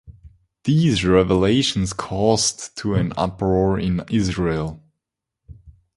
These revelations caused to an uproar in Israel.